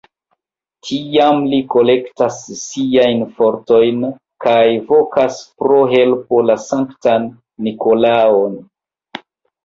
Tiam li kolektas siajn fortojn kaj vokas pro helpo la sanktan Nikolaon.